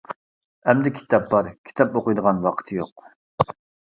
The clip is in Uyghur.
ئەمدى كىتاب بار كىتاب ئوقۇيدىغان ۋاقىت يوق.